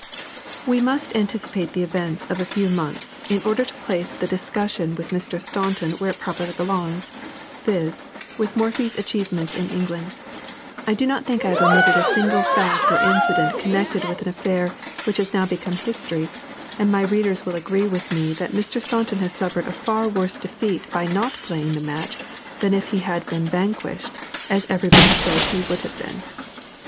We must anticipate the events of a few months, in order to place the discussion with Mr. Staunton where it properly belongs, viz., with Morphy's achievements in England. I do not think I have omitted a single fact or incident connected with an affair which has now become history, and my readers will agree with me that Mr. Staunton has suffered a far worse defeat by not playing the match than if he had been vanquished, as everybody says he would have been.